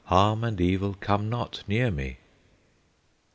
Harm and evil come not near me!"